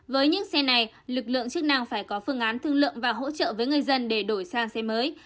với những xe này lực lượng chức năng phải có phương án thương lượng và hỗ trợ với người dân để đổi sang xe mới